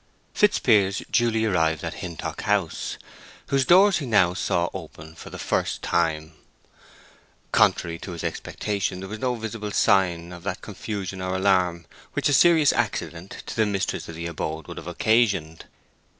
Fitzpiers duly arrived at Hintock House, whose doors he now saw open for the first time. Contrary to his expectation there was visible no sign of that confusion or alarm which a serious accident to the mistress of the abode would have occasioned.